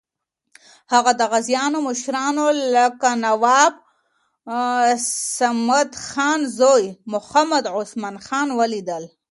هغه د غازیانو مشرانو لکه نواب صمدخان زوی محمد عثمان خان ولیدل.